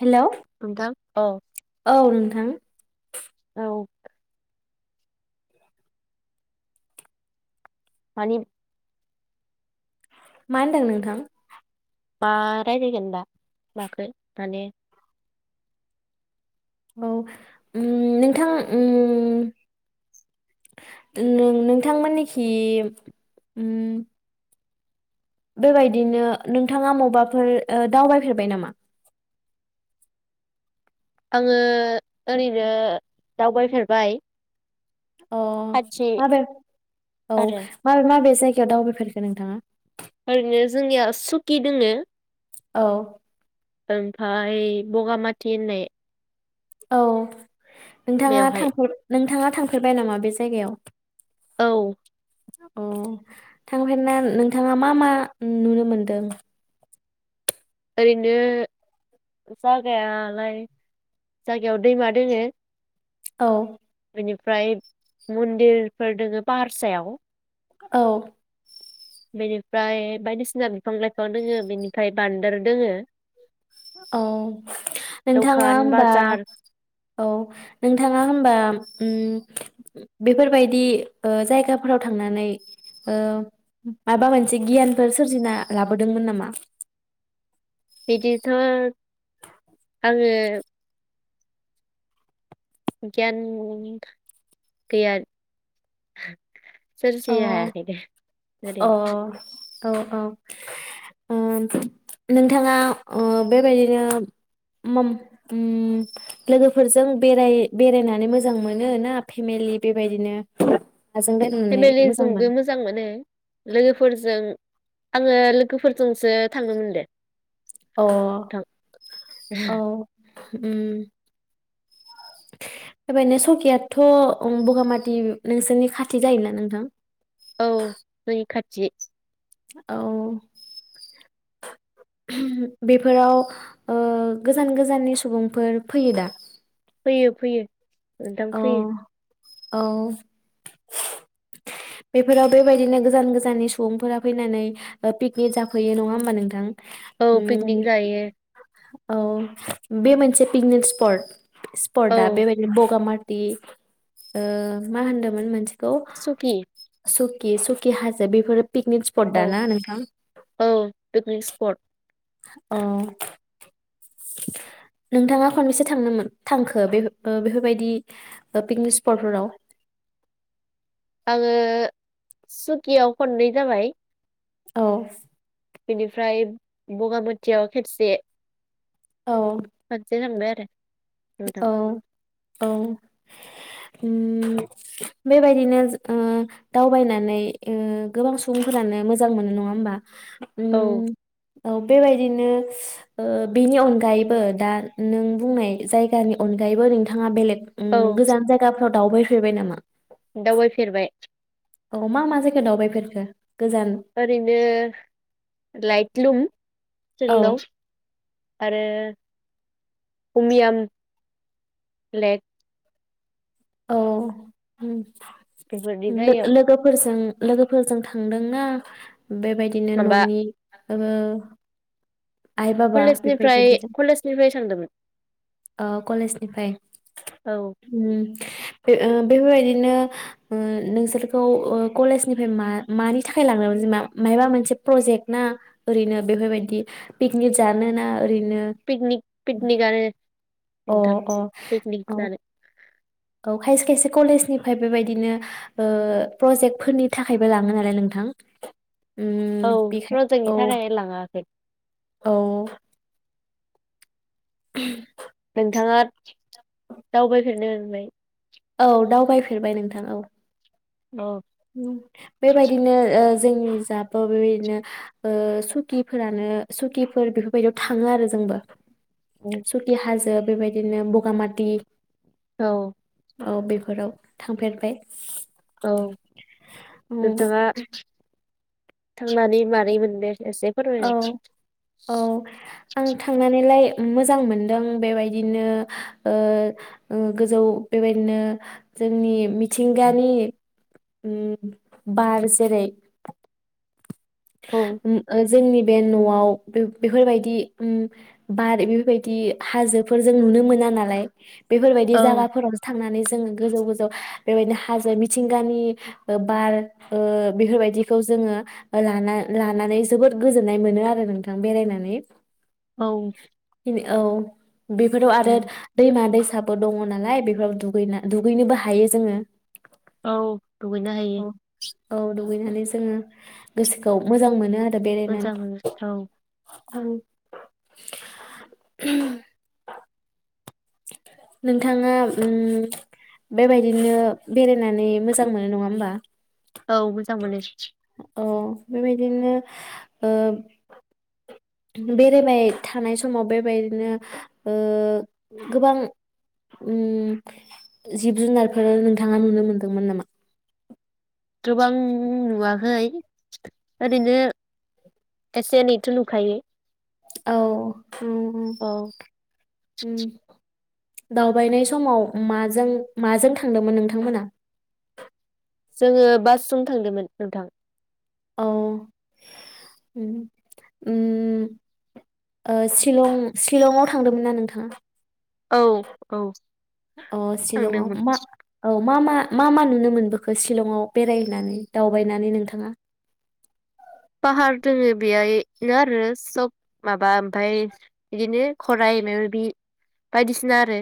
Hello नोंथां औ औ नोंथां। औ मानि मा होनदों नोंथां। मा रायजायगोन दा मखनो? माने। औ उम नोंथां उम-उम नोंथांमोननिखि उम बेबायदिनो नोंथाङा मबबाफोर दावबायफेरबाय नामा? आङो ओरैनो दावबायफेरबाय। अ खाथि माबे औ आरो माबे-माबे जायगा जायगायाव दावबायफेरखो नोंथाङा? ओरैनो जोंनिया सुकि दोङो। औ। ओमफाय बगामाथि होननाय। औ। नोंथाङा बेवहाय थांफेरबाय नोंथाङा थांफेरबाय नामा बे जायगायाव? औ। अ थांफेरना नोंथाङा मा-मा नुनो मोनदों? ओरैनो जागायालाय जागायाव दैमा दोङो। औ। बेनिफ्राय मन्दिरफोर दोङो पाहारसायाव। औ। बेनिफ्राय बायदिसिना बिफां-लाइफां दोङो बेनिफ्राय बान्दोर दोङो। औ नोंथाङा दखान होनबा बाजार औ नोंथाङा होनबा उम बेफोरबायदि ओ जायगाफोराव थांनानै अ माबा मोनसे गियानफोर सोरजिना लाबोदोंमोन नामा? बिदिथ' आङो गियान गैया। अ सोरजिनो हायाखै दे ओरैनो औ औ नोंथाङा ओ बेबायदिनो ओम लोगोफोरजों बेराय बेरायनानै मोजां मोनो ना फेमेलि बेबायदिनो जों बेरायनानै जोंबो मोजां मोनो लोगोफोर जों जों आङो लोगोफोरजोंसो थांनो मोनदों। अ औ। ओम बेबायनो सकेयाथ' बगामाथि नोंसोरनि खाथि जायोना नोंथां? औ जोंनि खाथि। औ। बेफोराव अ गोजान गोजाननि सुबुंफोर फैयो दा? फैयो फैयो। नोंथां औ फैयो। औ। बेफोराव बेबायदिनो गोजान गोजाननि सुबुंफोरा फैनानै पिकनिक जाफैयो नङा होमबा नोंथां? औ उम पिकनिक जायो। औ बे मोनसे पिकनिक स्पट औ सपर्दा बेबायनो बगा मा दि ओ मा होनदोंमोन मोनसे सखि सुकि सुकि हाजो बेफोरो पिकनिक स्पट औ दा ना नोंथां? औ पिकनिक स्पट औ। नोंथाङा खनबैसे थांनोमोन थांखो बे बेफोरबायदि पिकनिक स्पटफोराव आङो सुखियाव खननै जाबाय। औ बेनिफ्राय बगामाथियाव खेबसे। [unintelligible] औ [unintelligible] नोंथां औ औ। ओमबेबायदिनो ओ दावबायनानै गोबां सुबुंफोरानो मोजां मोनो नङा होमबा? औ। उम औ बेबायदिनो बेनि ओ अनगायैबो दा नों बुंनाय जाय [unintelligible] अनगायैबो नोंथाङा बेलेग ओम औ गोजान जायगाफोराव दावबायफेरबाय नामा दावबायफेरबाय औ मा मा जायगा दावबायफोरखो ओरैनो लाइट लुम जों औ दाव आरो उमियाम लेक औ ओम बेफोरनि लो जायगायाव लोगोफोरजों लोगोफोरजों थांदोंना बेबायदिनो माबा न'नि ओ आइ बाबा कलेजनिफ्राय बेफोरबायदिजों कलेजनिफ्राय सानदोंमोन ओ कलेजनिफ्राय औ ओम [unintelligible] बेफोरबायदिनो ओ नोंसोरखौ ओ कलेजनिफ्राय मा मानि थाखाय लांनो जा माबा मोनसे प्रजेक्ट ना ओरैनो बेफोरबायदि पिकनिक जानो ना ओरैनो पिकनिक पकनिक आ अ अ औ औ खायसे खायसे कलेजनिफ्राय बेबायदिनो ओ प्रजेक्ट फोरनि थाखायबो लाङोन आरो नोंथां औ उम बेखाय प्रजेक्टनि औ थाखाय लाङाखै। औ [inaudible] नोंथाङा दावबायफेरनो मोनबाय? औ दावबायफेरबाय नोंथां औ। औ उम बेबायदिनो ओ जोंनि जाबाव बेनो ओ सुकिफोरानो सुकिफोर बेफोरबायदियाव थाङो आरो जोंबो। सुथि हाजेब बेबायदिनो बगामाथि औ ओ बेफोराव थांफेरबाय? औ उम नोंथाङा थांनानै मारै मोनदो? औ औ आं थांनानैलाय मोजां मोनदों बेबायदिनो ओ ओ गोजौ बेबायदिनो जोंनि मिथिंगानि उम बार जेरै औ उम ओ जोंनि बे न'आव बे-बेफोरबायदि उम बार बेफोरबायदि हाजोफोर जों नुनो मोना नालाय बेफोरबायदि औ जागाफोरावसो थांनानै जोङो गोजौ गोजौ बेबायदिनो हाजो मिथिंगानि ओ बार ओ बेफोरबायदिखौ जोङो लाना लानानै जोबोद गोजोननाय मोनो आरो नोंथां बेरायनानै। ओं बिनि- औ बेफोराव आबोद दैमा दै थाबो दङ नालाय बेफोराव दुगैना दुगैनोबो हायो जोङो। औ दुगैनो हायो। औ औ दुगैनानै जोङो गोसोखौ मोजां मोनो मोजां नुथाय उम उम नोंथाङा उम बेबायदिनो बेरायनानै मोजां मोनो नङा होमबा? औ मोजां मोनो औ बेबायदिनो ओ बेरायबाय थानाय समाव बेबायदिनो ओ गोबां उम जिब जुनारफोर नोंथाङा नुनो मोनदोंमोन नामा? गोबां नुवाखै ओरैनो एसे एनैथ' नुखायो। औ उम उम औ उम दावबायनाय समाव माजों माजों थांदोंमोन नोंथांमोना? जोङो बासजों थांदोंमोन नोंथां। औ। उम ओ शिलंआव थांदोंमोन ना नोंथाङा? औ औ। अ शिलंआव थांदोंमोन मा? औ मा मा मा मा नुनो मोनबोखो लंआव बेरायनानै दावबायनानै नोंथाङा? पाहार दोङो बेहनो आरो सब माबा ओमफ्राय बिदिनो खराइ माबाबि बायदिसिना आरो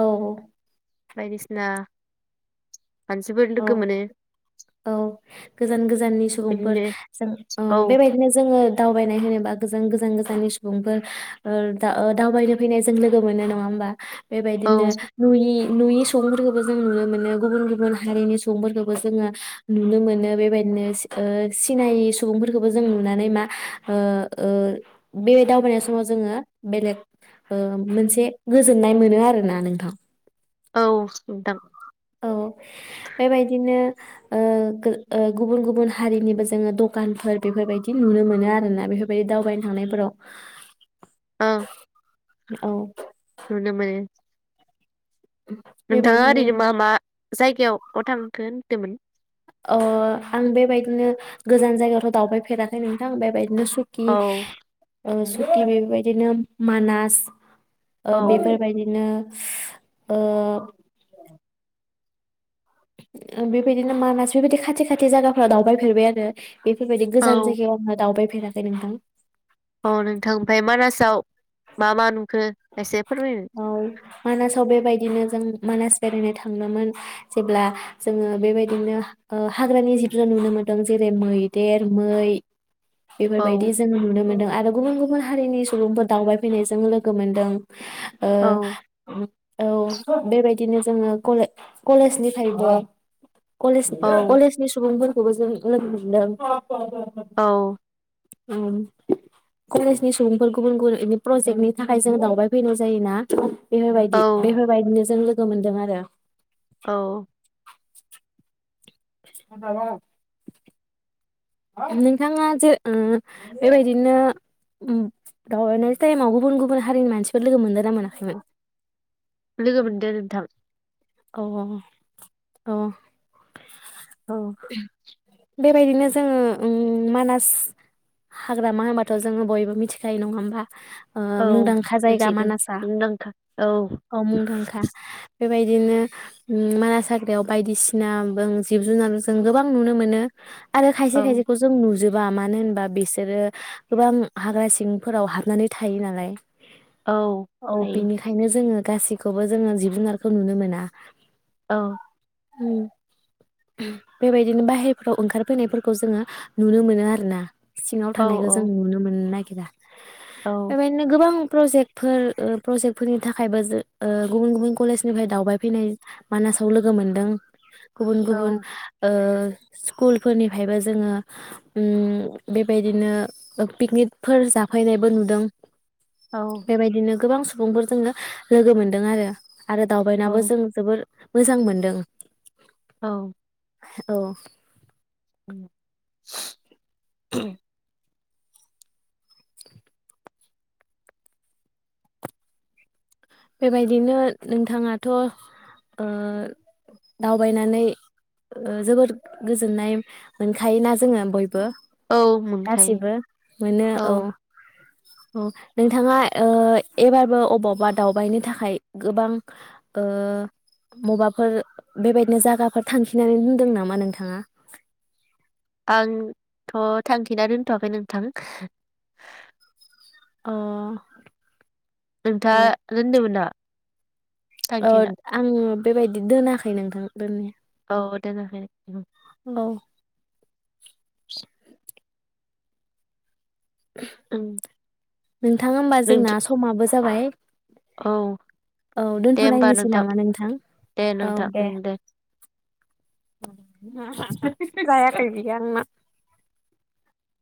औ। बायदिसिना। मानसिफोर लोगो औ मोनो। औ। गोजान गोजाननि सुबुंफोर बिदिनो जों औ बेबायदिनो जोङो दावबायनाय होनोबा गोजान गोजान गोजाननि सुबुंफोर दावबायनो फैनाय जों लोगो मोनो नङा होमबा? बेबायदिनो औ नुयि नुयि संफोरखौबो जों नुनो मोनो गुबुन गुबुन माहारिनि सुबुंफोरखौबो जोङो नुनो मोनो बेबायदिनो ओ सिनायि सुबुंफोरखौबो जों नुनानै मा? ओ बेबाय दावबायनाय समाव जोङो बेलेग ओ मोनसे गोजोननाय मोनो आरोना नोंथां। औ नोंथां। औ बेबायदिनो ओ गुबुन गुबुन हारिनिबो जोङो दखानफोर बेफोरबायदि नुनो मोनो आरोना बेफोरबायदि दावबायनो थांनायफोराव। ओं। औ। नुनो मोनो। नोंथां आ बेबायदिनो एरैनो मा मा? जायगायाव अ थांखो होनदोमोन? अ आं बेबायदिनो गोजान जायगायावथ' दावबायफेराखै नोंथां बेबायदिनो‌‌ सु सुकि औ ओ सुकि बेबायदिनोम मानास ओ‌ औ बेफोरबायदिनो ओ ओ बेबायदिनो मानास बेबायदि खाथि खाथि जायगाफोराव दावबायफेरबाय आरो बेफोरबायदि औ गोजान जायगायाव आङो दावबाय फ फेराखै नोंथां। अ नोंथां ओमफाय मानासाव मा मा नुखो? खायसे औ मानासाव बेबायद दिनो जों मानास बेरायनो थांनोमोन जेब्ला जोङो बेबायदिनो ओ हाग्रानि जिब जुन नुनो मोन्दों जेरै- मैदेर, मै। औ बेफोरबायदि जों नुनो मोनदों। आरो गुबुन गुबुन हारिनि सुबुंफोर दावबायफैनायजों लोग ओ औ उम औ बेबायदिनो जोङो कलेज कलेजनिफायबो कलेज नि औ कलेजनि सुबुंफोर खौबो जों लोगो मोनदों। औ औ कलेजनि सुबुंफोर गुबुन गुबुन बे प्रजेक्टनि थाखाय जों दावबाय फैनो ज जायोना? बेफोरबायदि औ बेफोरबायदिनो जों लोग गो मोनदों आरो औ [inaudible] हासा गामि अ नोंथाङा जे ओ बेबायदिनो उम दावबायनाय टाइमाव गुबुन गुबुन हारिनि मानसिफोर लोगो मोनदो ना मोनाखैमोन? लोगो मोनदों नोंथां। अ अ अ अ औ बेबायदिनो जोङो उम मानास हाग्रामा होनबाथ' जोङो बयबो मिथिखायो नङा होमबा? ओ औ मुंदांखा जायगा मिथिगौ मानासा मुंदांखा औ औ मुंदांखा। बेबायद दिनो उम मानास हाग्रायाव बायदिसिना बों जिब जुनार जों गोबां नुनो मोनो। आरो औ खायसे खायसेखौ जों नुजोब बा मानो होनबा बिसोरो गोबां हाग्रा सिंफोराव हाबनानै थायो नालाय। औ औ हायो बिनिखायनो जोङो गासिखौबो जोङो जिब जुनार खौ नुनो मोना। औ उम बेबायदिनो बाहेरफोराव ओंखारफैनायफोरखौ जोङो नुनो मोनो आरो ना। सिङाव औ थानायखौ औ जों नुनो मोननो ना गिरा औ बेबायदिनो गोबां प्रजेक्टफोर ओ प्रजेक्टफोरनि थाखायबो जों ओ गुबुन गुबुन कलेज निफ्राय दावबाय फैनाय मानासाव लोगो मोनदों। गुबुन औ गुबुन ओ स्कुलफोरनिफ्रायबो जोङो उम बेबायदिनो ओ पिकनिकफोर जाफैनायबो नुदों। औ बेबायदिनो गोबां सु बुंफोरजोंनो लोगो मोनदों आरो। आरो दावबायनाबो औ जों जोबोर मोजां मोनदों औ औ उम बेबायदिनो नोंथाङाथ' ओ दावबायनानै ओ जोबोर गोजोननाय मोनखायोना जोङो बय बो औ मोनखायो गासिबो मोनो औ। अ नोंथाङा ओ एबारबो अबावबा दावबायनो थाखाय गोबां ओ मबाफोर बेबायदिनो जायगाफोर थांखिनानै दोनदों नामा नोंथाङा? आंथ' थांखिना दोनथ'आखै नोंथां। अ नोंथाङा दोन्दोंमोन नामा? ओ आं बेबायदि दोनाखै नोंथां। दोननाया औ दोनाखै उम। औ [inaudible] ओं नोंथां होमबा नोंथ' जोंना समाबो जाबाय। औ औ दे होमबा दोनथ'लायनोसै नोंथां नामा दे नोंथां उम दे। [inaudible] जायाखै गैया आंना